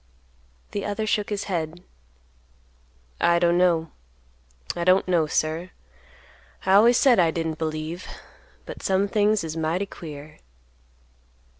The other shook his head; "I don't know—I don't know, sir; I always said I didn't believe, but some things is mighty queer."